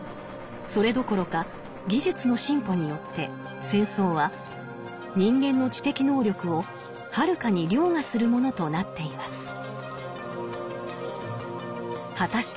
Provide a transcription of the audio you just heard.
それどころか技術の進歩によって戦争は人間の知的能力をはるかに凌駕するものとなっています。